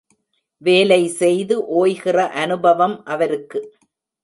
வேலைசெய்து ஓய்கிற அனுபவம் அவருக்கு.